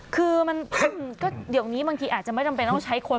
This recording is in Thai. คือมันก็เดี๋ยวนี้บางทีอาจจะไม่จำเป็นต้องใช้คน